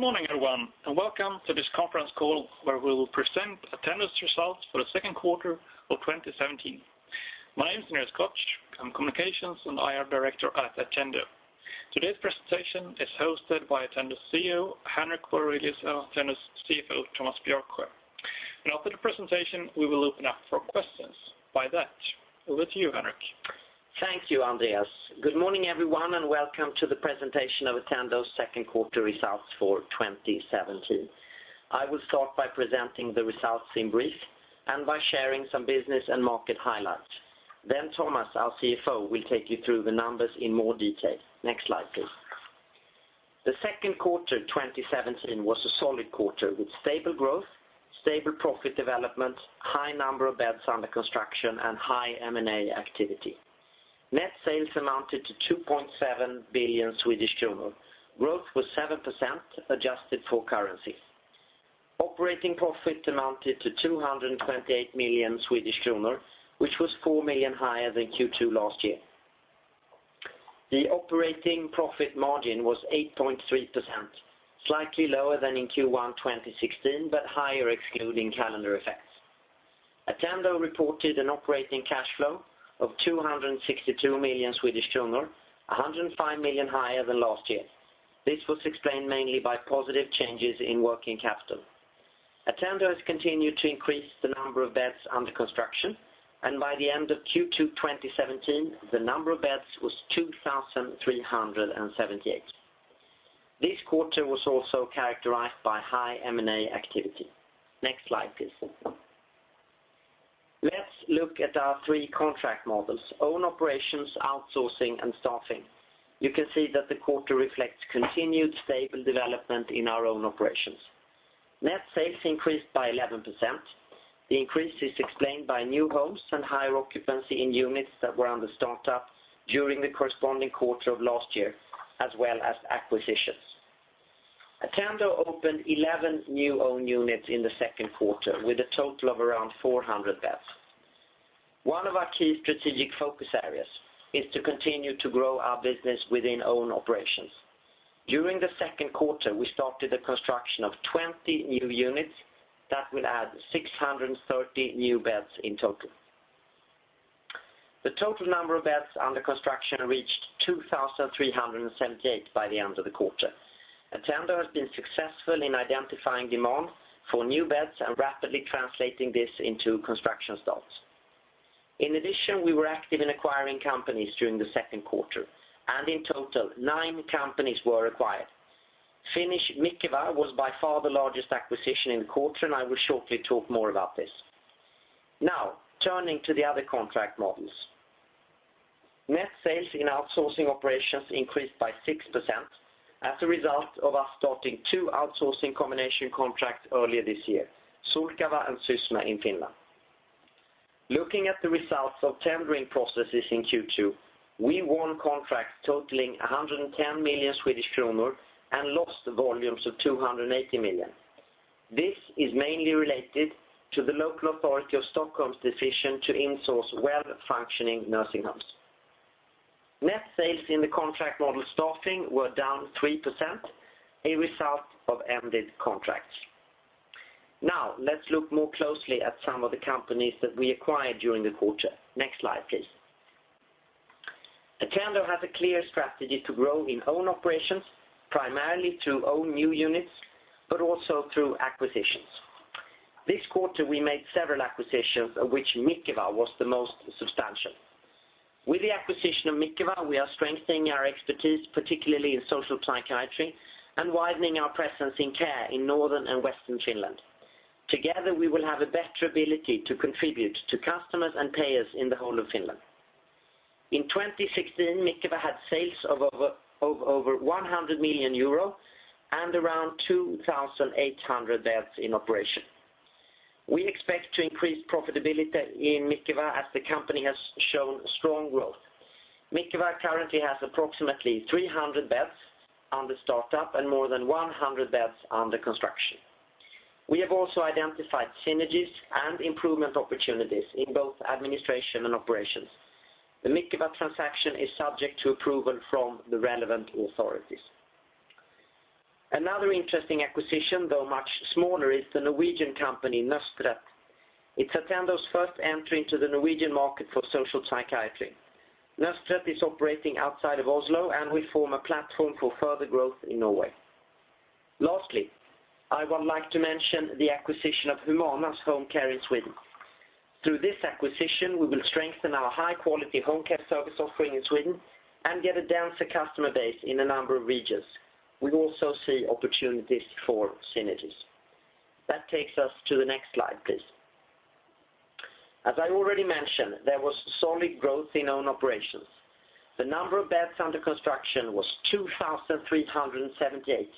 Good morning, everyone, and welcome to this conference call where we will present Attendo's results for the second quarter of 2017. My name is Andreas Koch. I'm Communications and IR Director at Attendo. Today's presentation is hosted by Attendo's CEO, Henrik Borelius, and Attendo's CFO, Tomas Björksiöö. After the presentation, we will open up for questions. Over to you, Henrik. Thank you, Andreas. Good morning, everyone, and welcome to the presentation of Attendo's second quarter results for 2017. I will start by presenting the results in brief and by sharing some business and market highlights. Tomas, our CFO, will take you through the numbers in more detail. Next slide, please. The second quarter 2017 was a solid quarter with stable growth, stable profit development, high number of beds under construction, and high M&A activity. Net sales amounted to SEK 2.7 billion. Growth was 7% adjusted for currency. Operating profit amounted to 228 million Swedish kronor, which was 4 million higher than Q2 last year. The operating profit margin was 8.3%, slightly lower than in Q1 2016, but higher excluding calendar effects. Attendo reported an operating cash flow of 262 million Swedish kronor, 105 million higher than last year. This was explained mainly by positive changes in working capital. Attendo has continued to increase the number of beds under construction, and by the end of Q2 2017, the number of beds was 2,378. This quarter was also characterized by high M&A activity. Next slide, please. Let's look at our three contract models: own operations, outsourcing, and staffing. You can see that the quarter reflects continued stable development in our own operations. Net sales increased by 11%. The increase is explained by new homes and higher occupancy in units that were under startup during the corresponding quarter of last year, as well as acquisitions. Attendo opened 11 new own units in the second quarter with a total of around 400 beds. One of our key strategic focus areas is to continue to grow our business within own operations. During the second quarter, we started the construction of 20 new units that will add 630 new beds in total. The total number of beds under construction reached 2,378 by the end of the quarter. Attendo has been successful in identifying demand for new beds and rapidly translating this into construction starts. In addition, we were active in acquiring companies during the second quarter, and in total, nine companies were acquired. Finnish Mikeva was by far the largest acquisition in the quarter, and I will shortly talk more about this. Turning to the other contract models. Net sales in outsourcing operations increased by 6% as a result of us starting two outsourcing combination contracts earlier this year, Sulkava and Sysmä in Finland. Looking at the results of tendering processes in Q2, we won contracts totaling 110 million Swedish kronor and lost volumes of 280 million. This is mainly related to the local authority of Stockholm's decision to insource well-functioning nursing homes. Net sales in the contract model staffing were down 3%, a result of ended contracts. Let's look more closely at some of the companies that we acquired during the quarter. Next slide, please. Attendo has a clear strategy to grow in own operations, primarily through own new units, but also through acquisitions. This quarter, we made several acquisitions, of which Mikeva was the most substantial. With the acquisition of Mikeva, we are strengthening our expertise, particularly in social psychiatry and widening our presence in care in northern and western Finland. Together, we will have a better ability to contribute to customers and payers in the whole of Finland. In 2016, Mikeva had sales of over 100 million euro and around 2,800 beds in operation. We expect to increase profitability in Mikeva as the company has shown strong growth. Mikeva currently has approximately 300 beds under startup and more than 100 beds under construction. We have also identified synergies and improvement opportunities in both administration and operations. The Mikeva transaction is subject to approval from the relevant authorities. Another interesting acquisition, though much smaller, is the Norwegian company Nøstet. It's Attendo's first entry into the Norwegian market for social psychiatry. Nøstet is operating outside of Oslo and will form a platform for further growth in Norway. Lastly, I would like to mention the acquisition of Humana's home care in Sweden. Through this acquisition, we will strengthen our high-quality home care service offering in Sweden and get a denser customer base in a number of regions. We also see opportunities for synergies. Takes us to the next slide, please. As I already mentioned, there was solid growth in own operations. The number of beds under construction was 2,378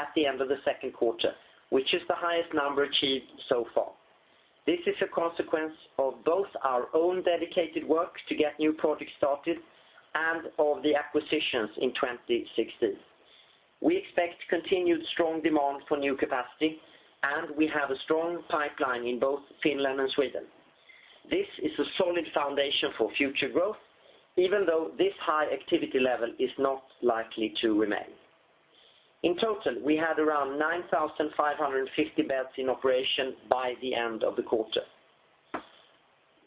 at the end of the second quarter, which is the highest number achieved so far. This is a consequence of both our own dedicated work to get new projects started and of the acquisitions in 2016. We expect continued strong demand for new capacity, and we have a strong pipeline in both Finland and Sweden. This is a solid foundation for future growth, even though this high activity level is not likely to remain. In total, we had around 9,550 beds in operation by the end of the quarter.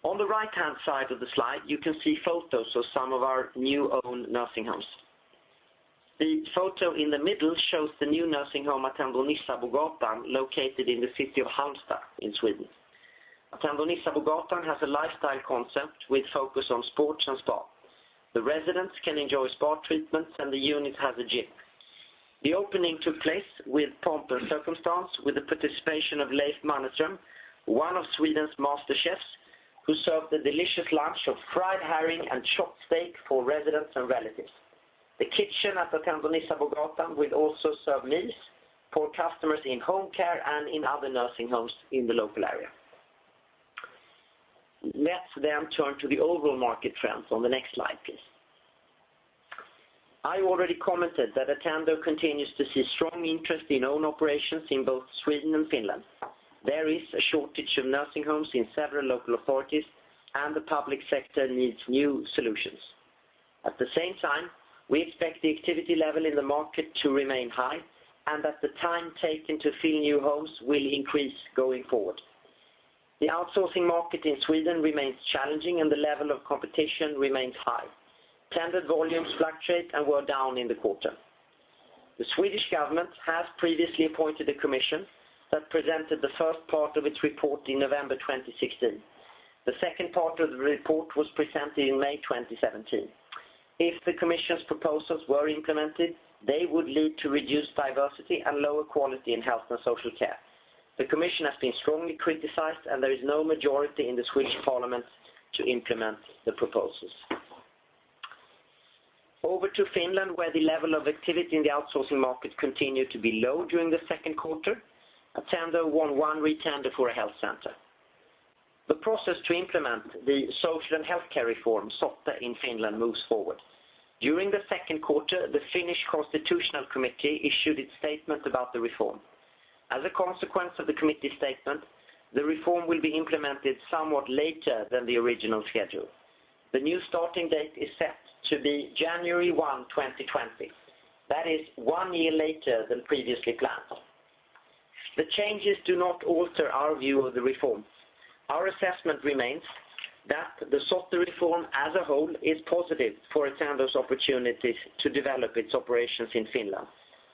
On the right-hand side of the slide, you can see photos of some of our new owned nursing homes. The photo in the middle shows the new nursing home, Attendo Nissabogatan, located in the city of Halmstad in Sweden. Attendo Nissabogatan has a lifestyle concept with focus on sports and spa. The residents can enjoy spa treatments and the unit has a gym. The opening took place with pomp and circumstance with the participation of Leif Mannerström, one of Sweden's master chefs, who served a delicious lunch of fried herring and chopped steak for residents and relatives. The kitchen at Attendo Nissabogatan will also serve meals for customers in home care and in other nursing homes in the local area. Turn to the overall market trends on the next slide, please. I already commented that Attendo continues to see strong interest in owned operations in both Sweden and Finland. There is a shortage of nursing homes in several local authorities, and the public sector needs new solutions. At the same time, we expect the activity level in the market to remain high and that the time taken to fill new homes will increase going forward. The outsourcing market in Sweden remains challenging and the level of competition remains high. Tended volumes fluctuate and were down in the quarter. The Swedish government has previously appointed a commission that presented the first part of its report in November 2016. The second part of the report was presented in May 2017. If the commission's proposals were implemented, they would lead to reduced diversity and lower quality in health and social care. The commission has been strongly criticized, and there is no majority in the Swedish Parliament to implement the proposals. Over to Finland, where the level of activity in the outsourcing market continued to be low during the second quarter. Attendo won one re-tender for a health center. The process to implement the social and healthcare reform, SOTE in Finland, moves forward. During the second quarter, the Constitutional Law Committee issued its statement about the reform. As a consequence of the committee statement, the reform will be implemented somewhat later than the original schedule. The new starting date is set to be January 1, 2020. That is one year later than previously planned. The changes do not alter our view of the reform. Our assessment remains that the SOTE reform as a whole is positive for Attendo's opportunities to develop its operations in Finland,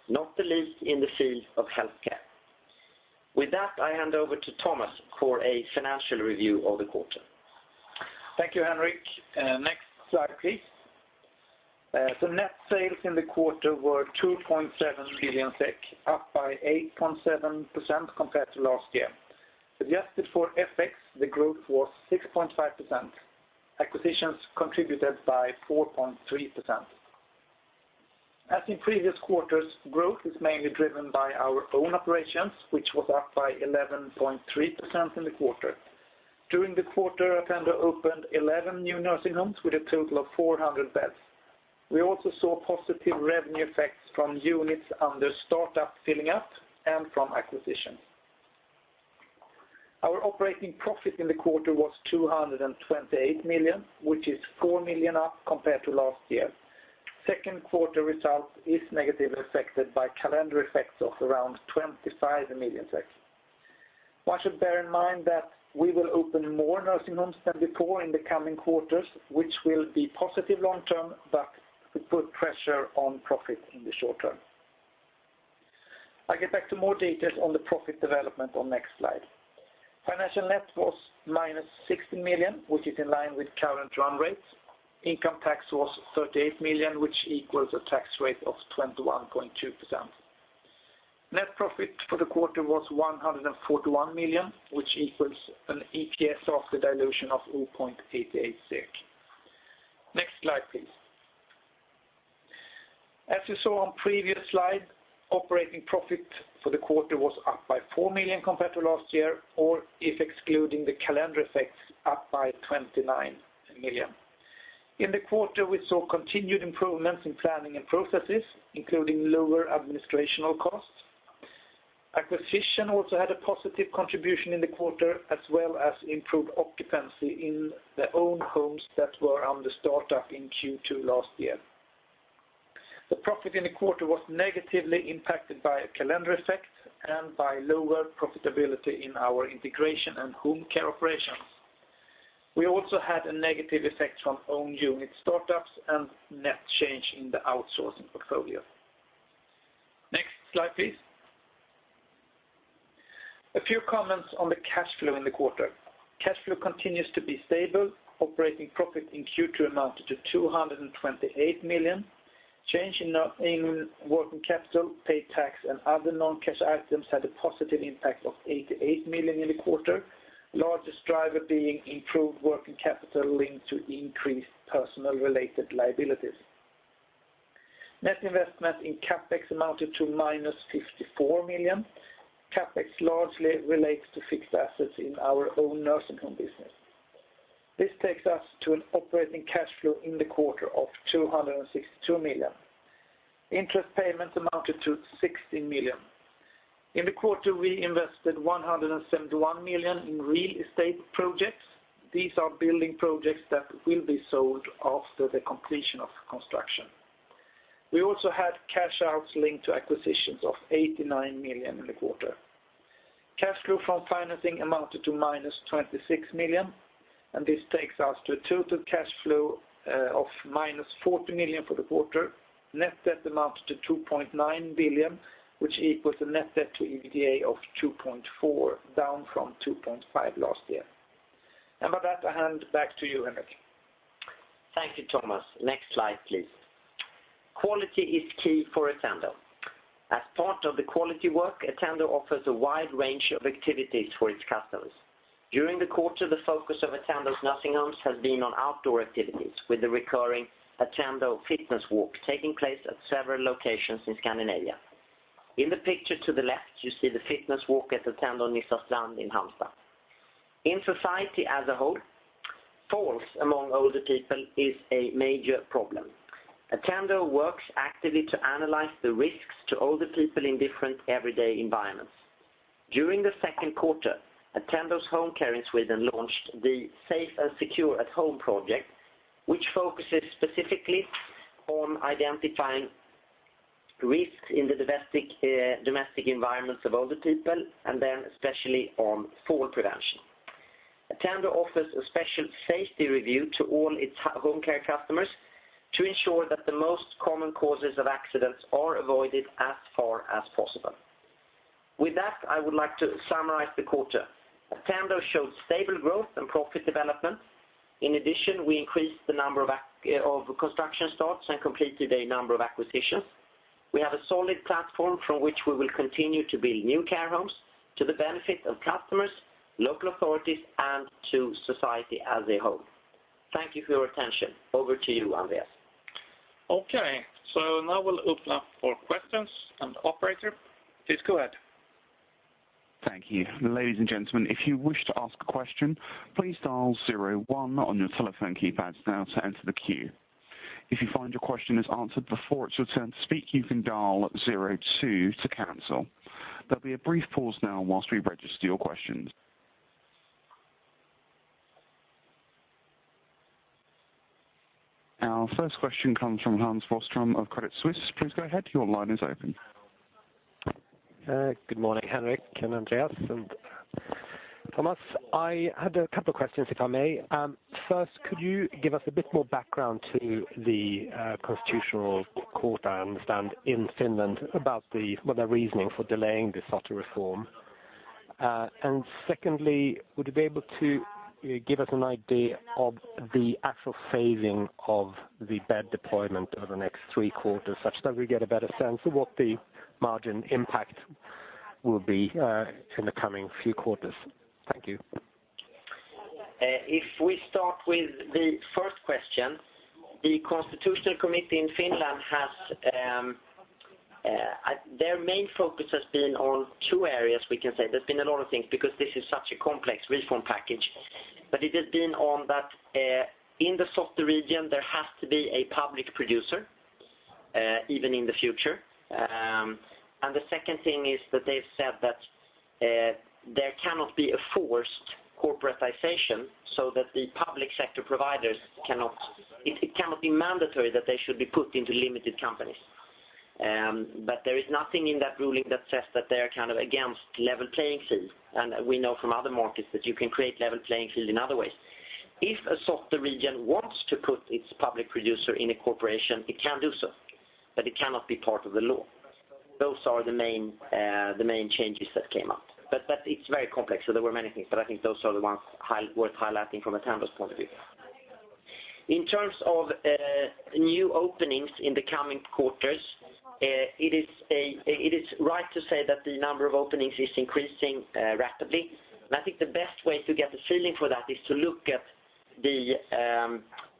not the least in the field of healthcare. With that, I hand over to Tomas for a financial review of the quarter. Thank you, Henrik. Next slide, please. Net sales in the quarter were 2.7 million SEK, up by 8.7% compared to last year. Adjusted for FX, the growth was 6.5%. Acquisitions contributed by 4.3%. As in previous quarters, growth is mainly driven by our own operations, which was up by 11.3% in the quarter. During the quarter, Attendo opened 11 new nursing homes with a total of 400 beds. We also saw positive revenue effects from units under startup filling up and from acquisitions. Our operating profit in the quarter was 228 million, which is 4 million up compared to last year. Second quarter results is negatively affected by calendar effects of around 25 million. One should bear in mind that we will open more nursing homes than before in the coming quarters, which will be positive long term, but could put pressure on profit in the short term. I'll get back to more details on the profit development on next slide. Financial net was minus 16 million, which is in line with current run rates. Income tax was 38 million, which equals a tax rate of 21.2%. Net profit for the quarter was 141 million, which equals an EPS after dilution of 0.88. Next slide, please. As you saw on previous slide, operating profit for the quarter was up by 4 million compared to last year, or if excluding the calendar effects, up by 29 million. In the quarter, we saw continued improvements in planning and processes, including lower administrational costs. Acquisition also had a positive contribution in the quarter, as well as improved occupancy in the owned homes that were under startup in Q2 last year. The profit in the quarter was negatively impacted by a calendar effect and by lower profitability in our integration and home care operations. We also had a negative effect from owned unit startups and net change in the outsourcing portfolio. Next slide, please. A few comments on the cash flow in the quarter. Cash flow continues to be stable. Operating profit in Q2 amounted to 228 million. Change in working capital, paid tax, and other non-cash items had a positive impact of 88 million in the quarter. Largest driver being improved working capital linked to increased personal related liabilities. Net investment in CapEx amounted to minus 54 million. CapEx largely relates to fixed assets in our own nursing home business. This takes us to an operating cash flow in the quarter of 262 million. Interest payments amounted to 16 million. In the quarter, we invested 171 million in real estate projects. These are building projects that will be sold after the completion of construction. We also had cash outs linked to acquisitions of 89 million in the quarter. Cash flow from financing amounted to minus 26 million. This takes us to a total cash flow of minus 40 million for the quarter. Net debt amounts to 2.9 billion, which equals a net debt to EBITDA of 2.4, down from 2.5 last year. With that, I hand back to you, Henrik. Thank you, Tomas. Next slide, please. Quality is key for Attendo. As part of the quality work, Attendo offers a wide range of activities for its customers. During the quarter, the focus of Attendo's nursing homes has been on outdoor activities with the recurring Attendo Fitness Walk taking place at several locations in Scandinavia. In the picture to the left, you see the Fitness Walk at Attendo Nissastrand in Halmstad. In society as a whole, falls among older people is a major problem. Attendo works actively to analyze the risks to older people in different everyday environments. During the second quarter, Attendo's home care in Sweden launched the Safe and Secure at Home project, which focuses specifically on identifying risks in the domestic environments of older people, and then especially on fall prevention. Attendo offers a special safety review to all its home care customers to ensure that the most common causes of accidents are avoided as far as possible. With that, I would like to summarize the quarter. Attendo showed stable growth and profit development. In addition, we increased the number of construction starts and completed a number of acquisitions. We have a solid platform from which we will continue to build new care homes to the benefit of customers, local authorities, and to society as a whole. Thank you for your attention. Over to you, Andreas. Okay, now we'll open up for questions. Operator, please go ahead. Thank you. Ladies and gentlemen, if you wish to ask a question, please dial 01 on your telephone keypads now to enter the queue. If you find your question is answered before it's your turn to speak, you can dial 02 to cancel. There'll be a brief pause now whilst we register your questions. Our first question comes from Hans Forsström of Credit Suisse. Please go ahead. Your line is open. Good morning, Henrik and Andreas and Tomas. I had a couple questions, if I may. First, could you give us a bit more background to the Constitutional Law Committee, I understand, in Finland about their reasoning for delaying the SOTE reform. Secondly, would you be able to give us an idea of the actual phasing of the bed deployment over the next three quarters, such that we get a better sense of what the margin impact will be in the coming few quarters? Thank you. If we start with the first question, the Constitutional Law Committee in Finland, their main focus has been on two areas, we can say. There's been a lot of things because this is such a complex reform package. It has been on that in the SOTE region, there has to be a public producer even in the future. The second thing is that they've said that there cannot be a forced corporatization. It cannot be mandatory that they should be put into limited companies. There is nothing in that ruling that says that they are against level playing field. We know from other markets that you can create level playing field in other ways. If a SOTE region wants to put its public producer in a corporation, it can do so, but it cannot be part of the law. Those are the main changes that came up. It's very complex, there were many things, but I think those are the ones worth highlighting from Attendo's point of view. In terms of new openings in the coming quarters, it is right to say that the number of openings is increasing rapidly. I think the best way to get a feeling for that is to look at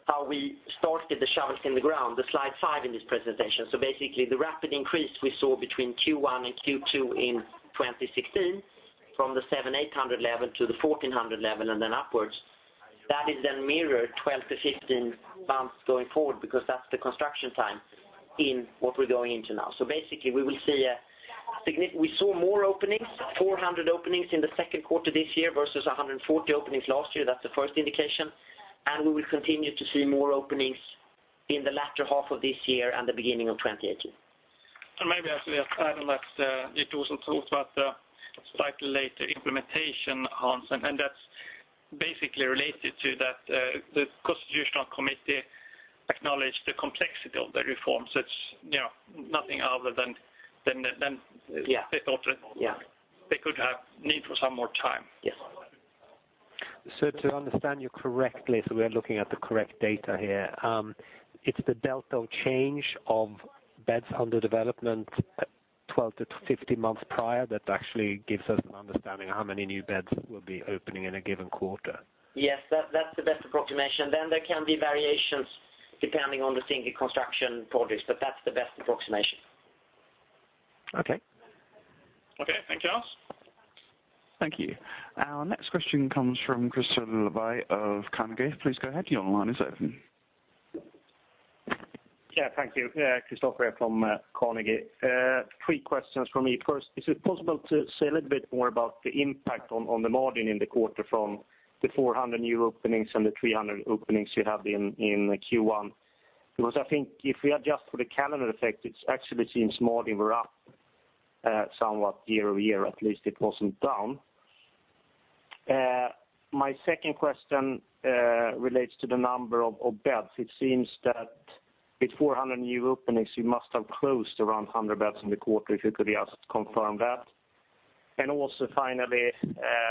how we started the shovels in the ground, the slide five in this presentation. Basically the rapid increase we saw between Q1 and Q2 in 2016 from the 700, 800 level to the 1,400 level and then upwards. That is then mirrored 12 to 15 months going forward because that's the construction time in what we're going into now. Basically we saw more openings, 400 openings in the second quarter this year versus 140 openings last year. That's the first indication. We will continue to see more openings in the latter half of this year and the beginning of 2018. Maybe I should add on that it also talks about the slightly later implementation, Hans, that's basically related to that the Constitutional Law Committee acknowledged the complexity of the reform, such nothing other than- Yeah. They could have need for some more time. Yes. To understand you correctly, we are looking at the correct data here. It is the delta change of beds under development 12 to 15 months prior that actually gives us an understanding of how many new beds will be opening in a given quarter. Yes. That is the best approximation. There can be variations depending on the single construction projects, that is the best approximation. Okay. Thank you, Hans. Thank you. Our next question comes from Kristofer Levin of Carnegie. Please go ahead. Your line is open. Thank you. Kristofer from Carnegie. Three questions from me. First, is it possible to say a little bit more about the impact on the margin in the quarter from the 400 new openings and the 300 openings you have in Q1? I think if we adjust for the calendar effect, it actually seems margin were up somewhat year-over-year, at least it wasn't down. My second question relates to the number of beds. It seems that with 400 new openings, you must have closed around 100 beds in the quarter. If you could just confirm that. Also finally,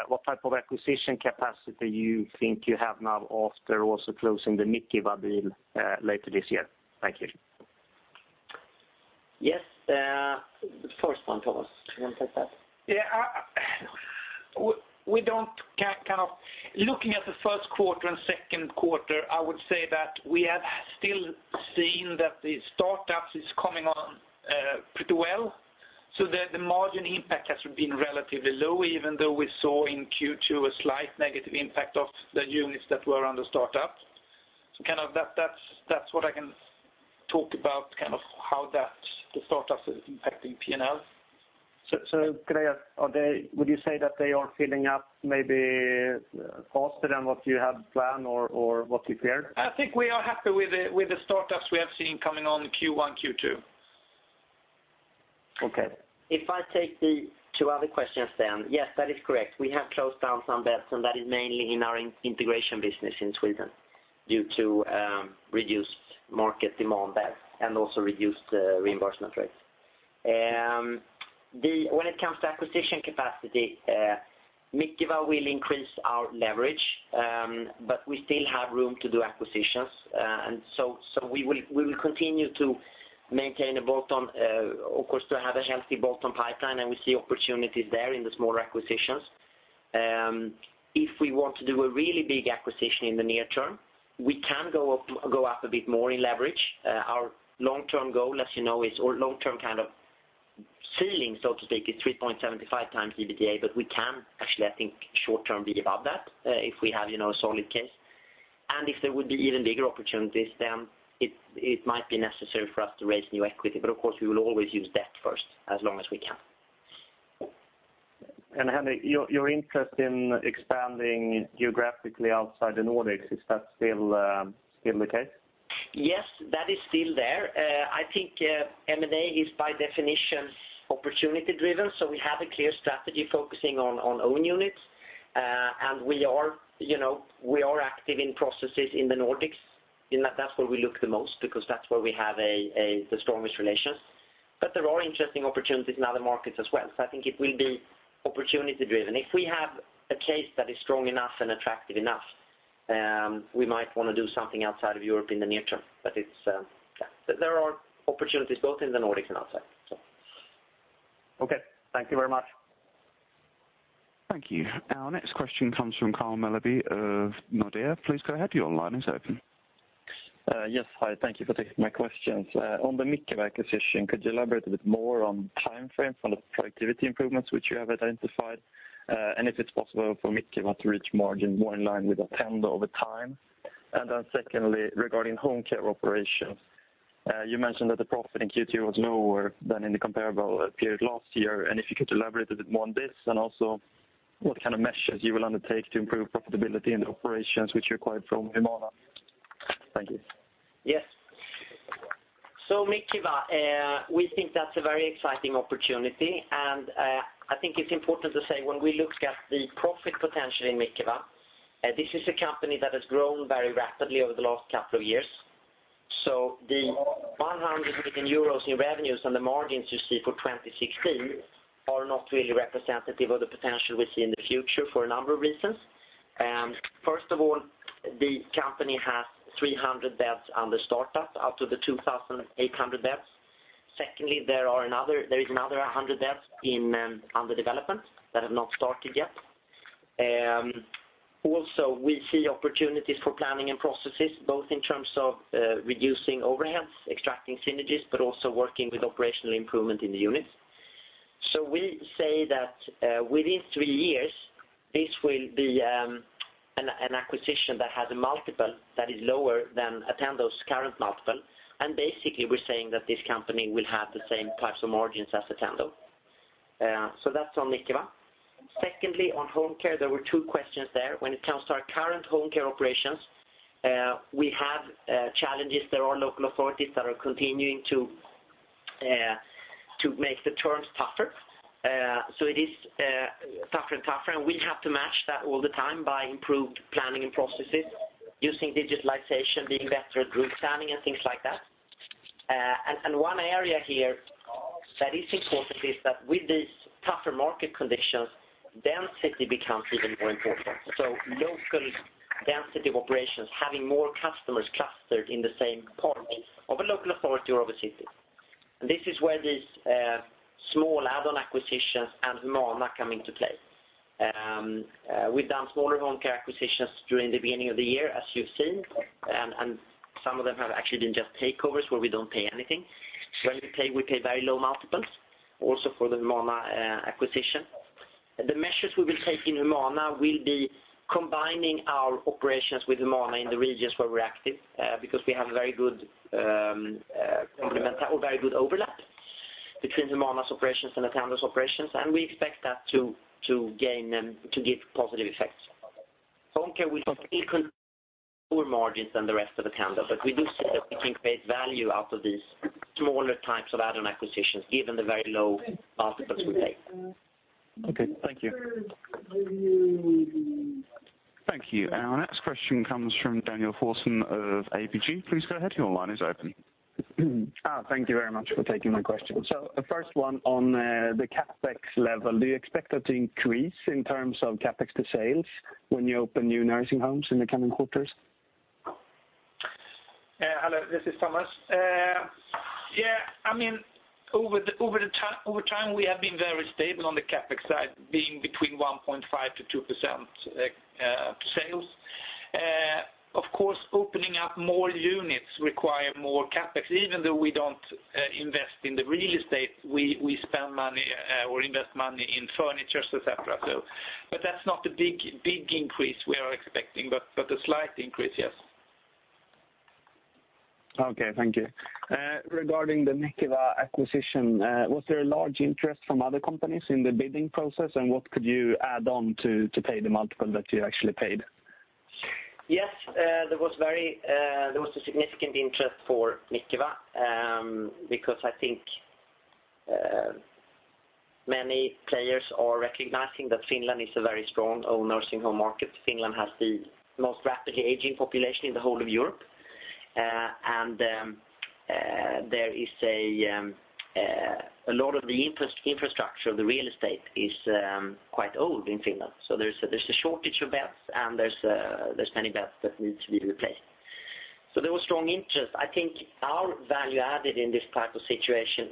what type of acquisition capacity you think you have now after also closing the Mikeva deal later this year. Thank you. The first one Tomas. Do you want to take that? Looking at the first quarter and second quarter, I would say that we have still seen that the startups is coming on pretty well, the margin impact has been relatively low, even though we saw in Q2 a slight negative impact of the units that were under startup. That's what I can talk about, how the startups is impacting P&L. Could I ask, would you say that they are filling up maybe faster than what you had planned or what you feared? I think we are happy with the startups we have seen coming on Q1, Q2. Okay. If I take the two other questions then. Yes, that is correct. We have closed down some beds. That is mainly in our integration business in Sweden due to reduced market demand beds and also reduced reimbursement rates. When it comes to acquisition capacity, Mikeva will increase our leverage, but we still have room to do acquisitions. We will continue to maintain, of course, to have a healthy bottom pipeline, and we see opportunities there in the smaller acquisitions. If we want to do a really big acquisition in the near term, we can go up a bit more in leverage. Our long-term goal, as you know, or long-term ceiling, so to speak, is 3.75x EBITDA, but we can actually, I think, short-term be above that if we have a solid case. If there would be even bigger opportunities, then it might be necessary for us to raise new equity. Of course, we will always use debt first as long as we can. Henrik, your interest in expanding geographically outside the Nordics, is that still the case? Yes, that is still there. I think M&A is by definition opportunity driven, so we have a clear strategy focusing on own units. We are active in processes in the Nordics, that's where we look the most because that's where we have the strongest relations. There are interesting opportunities in other markets as well. I think it will be opportunity driven. If we have a case that is strong enough and attractive enough, we might want to do something outside of Europe in the near term. There are opportunities both in the Nordics and outside. Okay. Thank you very much. Thank you. Our next question comes from Karl Mellby of Nordea. Please go ahead, your line is open. Yes, hi. Thank you for taking my questions. On the Mikeva acquisition, could you elaborate a bit more on timeframe for the productivity improvements which you have identified? If it's possible for Mikeva to reach margin more in line with Attendo over time? Secondly, regarding home care operations. You mentioned that the profit in Q2 was lower than in the comparable period last year, and if you could elaborate a bit more on this, and also what kind of measures you will undertake to improve profitability in the operations which you acquired from Humana. Thank you. Yes. Mikeva, we think that's a very exciting opportunity, and I think it's important to say when we look at the profit potential in Mikeva, this is a company that has grown very rapidly over the last couple of years. So the 100 million euros in revenues and the margins you see for 2016 are not really representative of the potential we see in the future for a number of reasons. First of all, the company has 300 beds under startup out of the 2,800 beds. Secondly, there is another 100 beds under development that have not started yet. Also, we see opportunities for planning and processes, both in terms of reducing overheads, extracting synergies, but also working with operational improvement in the units. We say that within three years, this will be an acquisition that has a multiple that is lower than Attendo's current multiple, and basically, we're saying that this company will have the same types of margins as Attendo. So that's on Mikeva. Secondly, on home care, there were two questions there. When it comes to our current home care operations, we have challenges. There are local authorities that are continuing to make the terms tougher. So it is tougher and tougher, and we have to match that all the time by improved planning and processes using digitalization, being better at group planning and things like that. And one area here that is important is that with these tougher market conditions, density becomes even more important. So local density of operations, having more customers clustered in the same part of a local authority or of a city. This is where these small add-on acquisitions and Humana come into play. We've done smaller home care acquisitions during the beginning of the year, as you've seen, and some of them have actually been just takeovers where we don't pay anything. When we pay, we pay very low multiples, also for the Humana acquisition. The measures we will take in Humana will be combining our operations with Humana in the regions where we are active because we have very good overlap between Humana's operations and Attendo's operations, and we expect that to give positive effects. Home care will continue poor margins than the rest of Attendo, but we do see that we can create value out of these smaller types of add-on acquisitions, given the very low multiples we take. Okay. Thank you. Thank you. Our next question comes from Daniel Thorsson of ABG. Please go ahead. Your line is open. Thank you very much for taking my question. The first one on the CapEx level. Do you expect that to increase in terms of CapEx to sales when you open new nursing homes in the coming quarters? Hello, this is Tomas. Over time we have been very stable on the CapEx side, being between 1.5%-2% sales. Of course, opening up more units require more CapEx. Even though we don't invest in the real estate, we spend money or invest money in furniture, et cetera. That's not a big increase we are expecting, but a slight increase, yes. Okay. Thank you. Regarding the Mikeva acquisition, was there a large interest from other companies in the bidding process? What could you add on to pay the multiple that you actually paid? Yes. There was a significant interest for Mikeva because I think many players are recognizing that Finland is a very strong nursing home market. Finland has the most rapidly aging population in the whole of Europe. A lot of the infrastructure of the real estate is quite old in Finland. There's a shortage of beds and there's many beds that need to be replaced. There was strong interest. I think our value added in this type of situation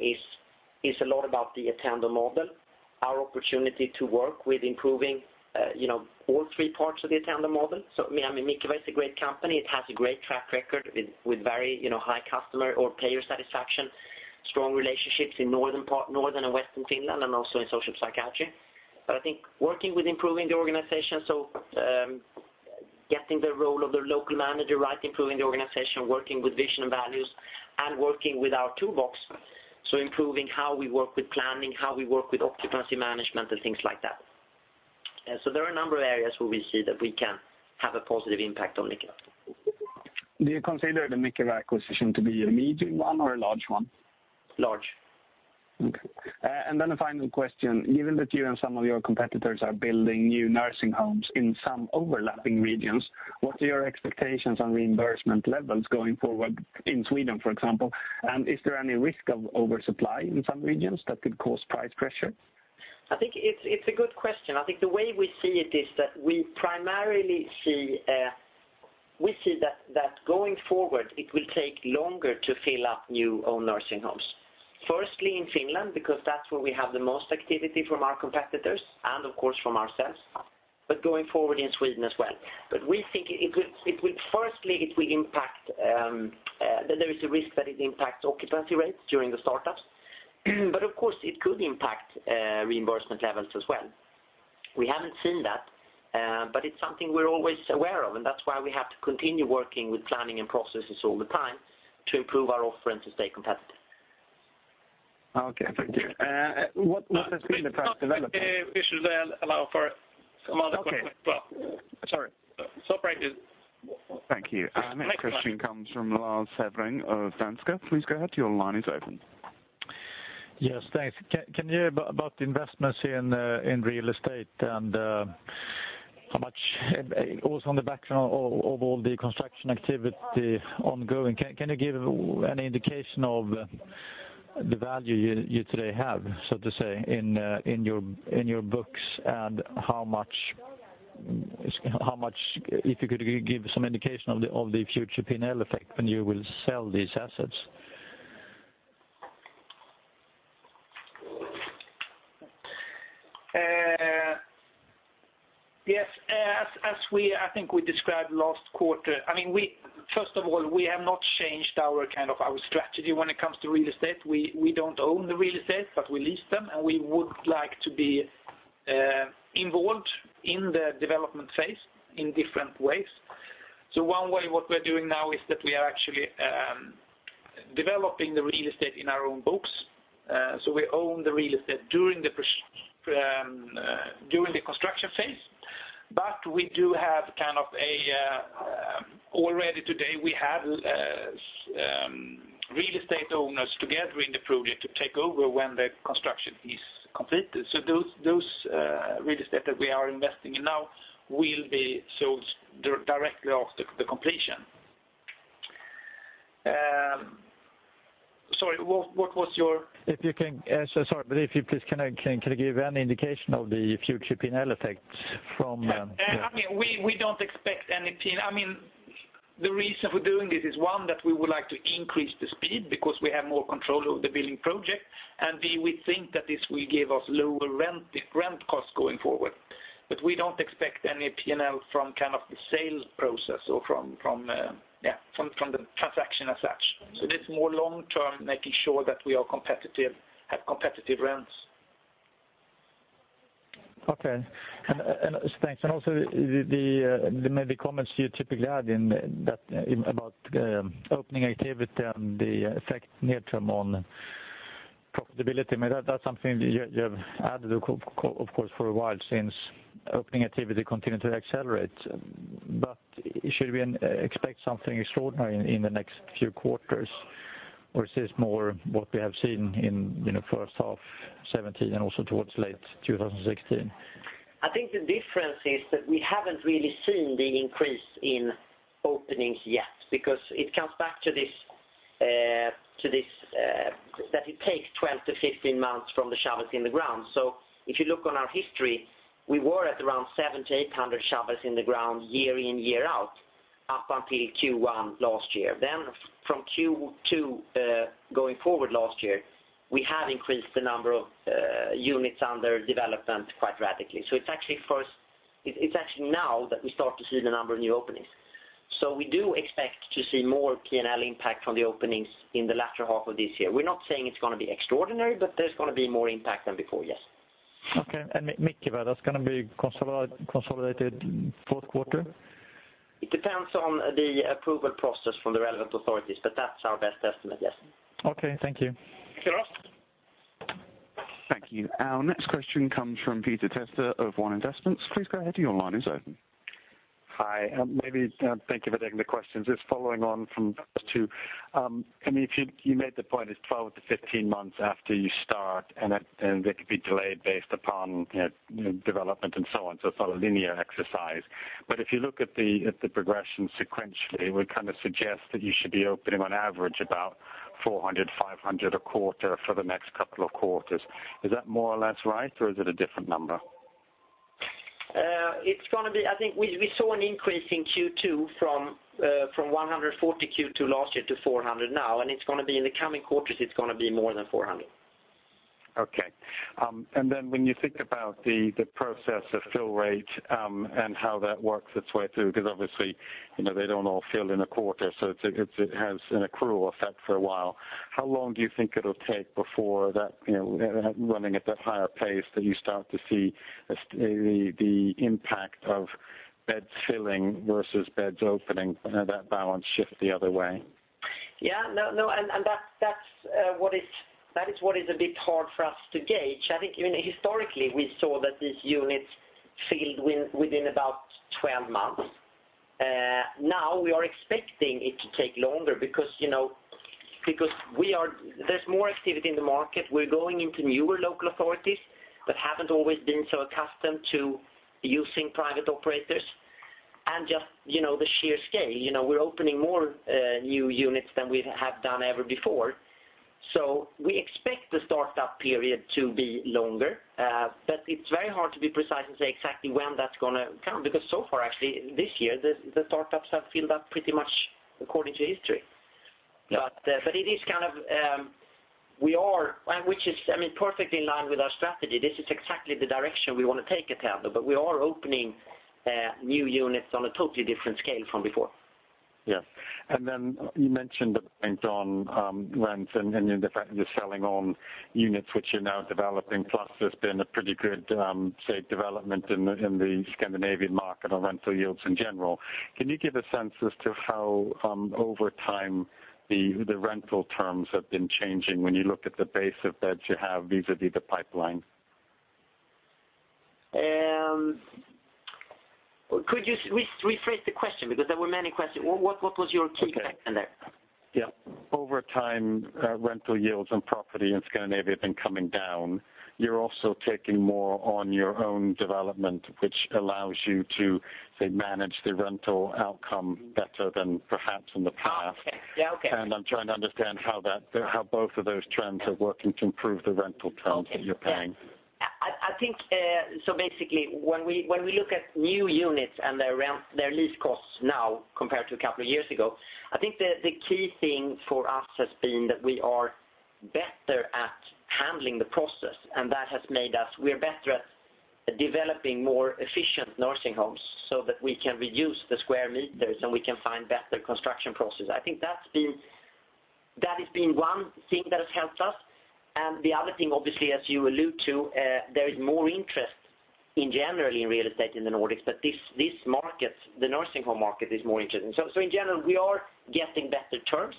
is a lot about the Attendo model, our opportunity to work with improving all three parts of the Attendo model. Mikeva is a great company. It has a great track record with very high customer or payer satisfaction, strong relationships in northern and western Finland, and also in social psychiatry. I think working with improving the organization, getting the role of the local manager right, improving the organization, working with vision and values, working with our toolbox. Improving how we work with planning, how we work with occupancy management and things like that. There are a number of areas where we see that we can have a positive impact on Mikeva. Do you consider the Mikeva acquisition to be a medium one or a large one? Large. Okay. A final question. Given that you and some of your competitors are building new nursing homes in some overlapping regions, what are your expectations on reimbursement levels going forward in Sweden, for example? Is there any risk of oversupply in some regions that could cause price pressure? I think it's a good question. I think the way we see it is that we primarily see that going forward it will take longer to fill up new nursing homes. Firstly in Finland, because that's where we have the most activity from our competitors and of course from ourselves. Going forward in Sweden as well. We think firstly there is a risk that it impacts occupancy rates during the startups. Of course it could impact reimbursement levels as well. We haven't seen that, but it's something we're always aware of and that's why we have to continue working with planning and processes all the time to improve our offering to stay competitive. Okay. Thank you. What has been the past development? We should allow for some other questions as well. Okay. Sorry. Thank you. Our next question comes from Lars Sjögren of Danske Bank. Please go ahead. Your line is open. Yes, thanks. Can you about the investments in real estate and also on the background of all the construction activity ongoing, can you give any indication of the value you today have, so to say, in your books and if you could give some indication of the future P&L effect when you will sell these assets? Yes. I think we described last quarter. First of all, we have not changed our strategy when it comes to real estate. We don't own the real estate, but we lease them, and we would like to be involved in the development phase in different ways. One way what we are doing now is that we are actually developing the real estate in our own books. We own the real estate during the construction phase. Already today we have real estate owners together in the project to take over when the construction is completed. Those real estate that we are investing in now will be sold directly after the completion. Sorry, what was your- Sorry. If you please can give any indication of the future P&L effects from the- We don't expect any P&L. The reason for doing this is one, that we would like to increase the speed because we have more control over the building project. B, we think that this will give us lower rent cost going forward. We don't expect any P&L from the sales process or from the transaction as such. It is more long-term, making sure that we have competitive rents. Okay. Thanks. Also, the comments you typically add in about opening activity and the effect near-term on profitability. That's something you have added, of course, for a while since opening activity continued to accelerate. Should we expect something extraordinary in the next few quarters, or is this more what we have seen in first half 2017 and also towards late 2016? I think the difference is that we haven't really seen the increase in openings yet because it comes back to that it takes 12 to 15 months from the shovels in the ground. If you look on our history, we were at around 700 to 800 shovels in the ground year in, year out up until Q1 last year. From Q2 going forward last year, we have increased the number of units under development quite radically. It's actually now that we start to see the number of new openings. We do expect to see more P&L impact from the openings in the latter half of this year. We're not saying it's going to be extraordinary, but there's going to be more impact than before, yes. Okay. [Henrik], that's going to be consolidated fourth quarter? It depends on the approval process from the relevant authorities, but that's our best estimate, yes. Okay. Thank you. Thank you, Lars. Thank you. Our next question comes from Peter Testa of One Investments. Please go ahead. Your line is open. Hi. Thank you for taking the questions. Just following on from those two. You made the point it is 12 to 15 months after you start, and that could be delayed based upon development and so on. It is not a linear exercise. If you look at the progression sequentially, it would suggest that you should be opening on average about 400, 500 a quarter for the next couple of quarters. Is that more or less right, or is it a different number? I think we saw an increase in Q2 from 140 Q2 last year to 400 now, and in the coming quarters it is going to be more than 400. Okay. When you think about the process of fill rate and how that works its way through, because obviously, they do not all fill in a quarter, so it has an accrual effect for a while. How long do you think it will take before running at that higher pace that you start to see the impact of beds filling versus beds opening, that balance shift the other way? Yeah. No, that is what is a bit hard for us to gauge. I think historically we saw that these units filled within about 12 months. Now we are expecting it to take longer because there is more activity in the market. We are going into newer local authorities that have not always been so accustomed to using private operators and just the sheer scale. We are opening more new units than we have done ever before. We expect the startup period to be longer. It is very hard to be precise and say exactly when that is going to come, because so far, actually, this year, the startups have filled up pretty much according to history. Which is perfectly in line with our strategy. This is exactly the direction we want to take Attendo, we are opening new units on a totally different scale from before. Yes. Then you mentioned the point on rents and the fact that you're selling on units which you're now developing. There's been a pretty good, say, development in the Scandinavian market on rental yields in general. Can you give a sense as to how over time the rental terms have been changing when you look at the base of beds you have vis-à-vis the pipeline? Could you rephrase the question? There were many questions. What was your key question there? Okay. Yeah. Over time, rental yields on property in Scandinavia have been coming down. You're also taking more on your own development, which allows you to, say, manage the rental outcome better than perhaps in the past. Okay. Yeah, okay. I'm trying to understand how both of those trends are working to improve the rental terms that you're paying. Okay. Yeah. Basically when we look at new units and their lease costs now compared to a couple of years ago, I think the key thing for us has been that we are better at handling the process, and we are better at developing more efficient nursing homes so that we can reduce the square meters and we can find better construction processes. I think that has been one thing that has helped us. The other thing, obviously, as you allude to, there is more interest in general in real estate in the Nordics, but the nursing home market is more interesting. In general, we are getting better terms.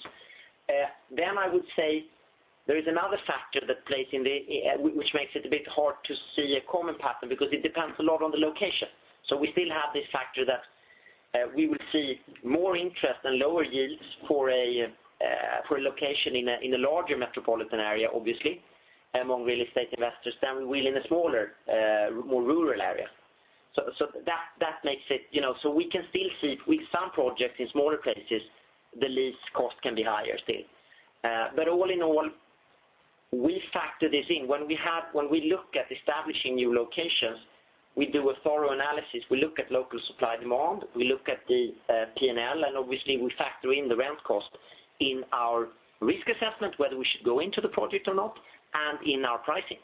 I would say there is another factor which makes it a bit hard to see a common pattern because it depends a lot on the location. We still have this factor that we will see more interest and lower yields for a location in a larger metropolitan area, obviously, among real estate investors than we will in a smaller, more rural area. We can still see some projects in smaller places, the lease cost can be higher still. All in all, we factor this in. When we look at establishing new locations, we do a thorough analysis. We look at local supply demand, we look at the P&L, and obviously we factor in the rent cost in our risk assessment, whether we should go into the project or not. In our pricing.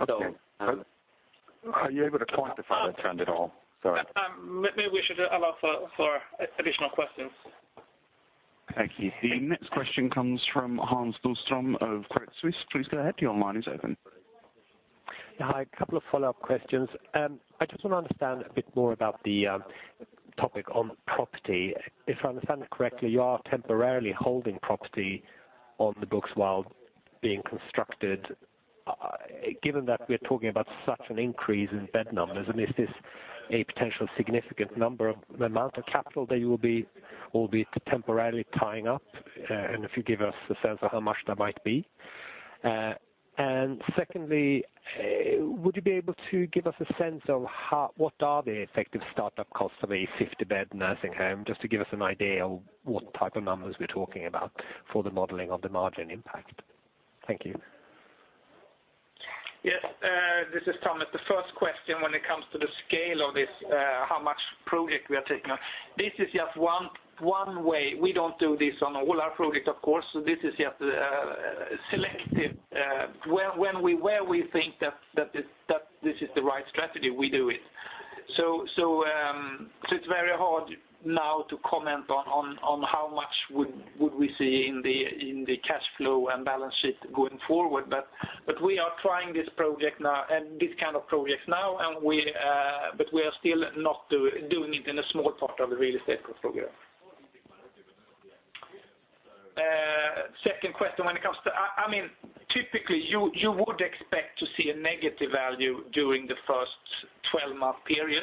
Okay. Are you able to quantify the trend at all? Sorry. Maybe we should allow for additional questions. Thank you. The next question comes from Hans Bostrom of Credit Suisse. Please go ahead. Your line is open. Yeah. Hi. A couple of follow-up questions. I just want to understand a bit more about the topic on property. If I understand it correctly, you are temporarily holding property on the books while being constructed. Given that we're talking about such an increase in bed numbers, is this a potential significant number of the amount of capital that you will be temporarily tying up? If you give us a sense of how much that might be. Secondly, would you be able to give us a sense of what are the effective startup costs of a 50-bed nursing home, just to give us an idea of what type of numbers we're talking about for the modeling of the margin impact? Thank you. Yes. This is Tomas. The first question when it comes to the scale of this, how much project we are taking on. This is just one way. We don't do this on all our projects, of course. This is just selective. Where we think that this is the right strategy, we do it. It's very hard now to comment on how much would we see in the cash flow and balance sheet going forward. We are trying this project now and this kind of project now, but we are still not doing it in a small part of the real estate program. Second question, when it comes to Typically, you would expect to see a negative value during the first 12-month period.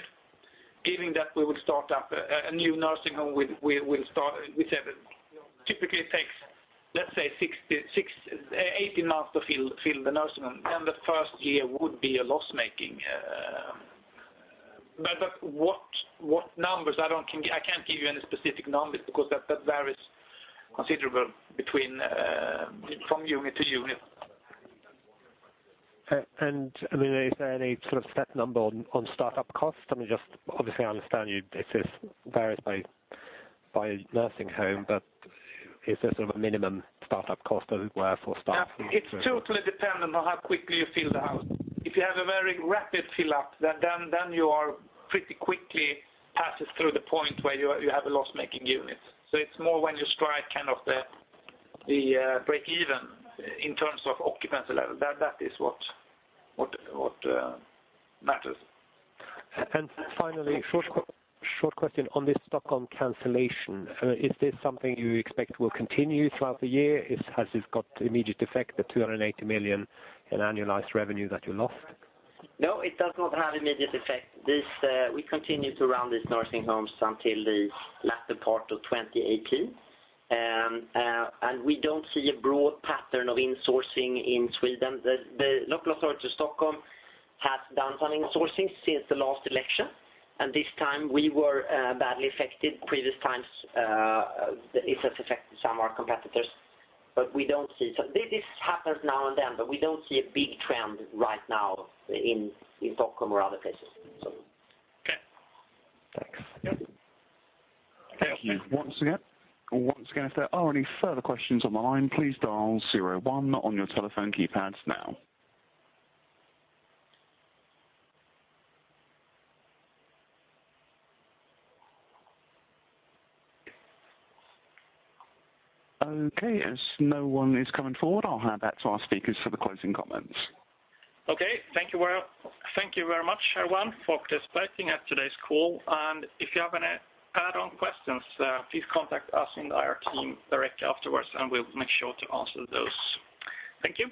Given that we will start up a new nursing home, we will start with typically it takes, let's say, 18 months to fill the nursing home, the first year would be a loss-making. What numbers, I can't give you any specific numbers because that varies considerably from unit to unit. Is there any sort of set number on startup costs? Obviously, I understand this is varied by nursing home, is there a minimum startup cost? It's totally dependent on how quickly you fill the house. If you have a very rapid fill-up, you are pretty quickly passes through the point where you have a loss-making unit. It's more when you strike the break even in terms of occupancy level. That is what matters. Finally, short question on this Stockholm cancellation. Is this something you expect will continue throughout the year? Has this got immediate effect, the 280 million in annualized revenue that you lost? No, it does not have immediate effect. We continue to run these nursing homes until the latter part of 2018. We don't see a broad pattern of insourcing in Sweden. The local authority of Stockholm has done some insourcing since the last election, and this time we were badly affected. Previous times, it has affected some of our competitors. This happens now and then, but we don't see a big trend right now in Stockholm or other places. Okay. Thanks. Yep. Thank you once again. Once again, if there are any further questions on the line, please dial 01 on your telephone keypads now. Okay, as no one is coming forward, I'll hand back to our speakers for the closing comments. Okay. Thank you very much, everyone, for participating at today's call. If you have any add-on questions, please contact us and our team directly afterwards, and we'll make sure to answer those. Thank you.